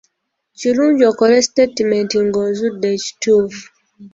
Kirungi okole sitaatimenti ng'ozudde ekituufu.